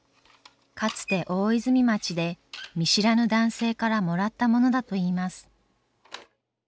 かつて大泉町で見知らぬ男性からもらったものだと言います。